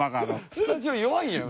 スタジオ弱いやん。